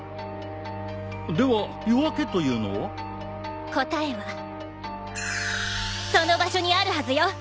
では夜明けというのは？答えはその場所にあるはずよ。